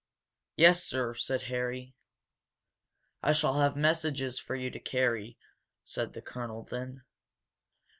"Yes, sir," said Harry. "I shall have messages for you to carry," said the colonel, then.